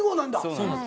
そうです。